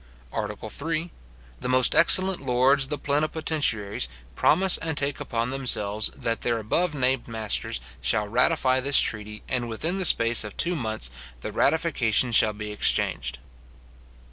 ART. III. The most excellent lords the plenipotentiaries promise and take upon themselves, that their above named masters shall ratify this treaty; and within the space of two months the ratification shall be exchanged.